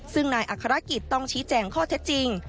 ซึ่งนายอัครกิจต้องชี้แจงข้อเท็จจริง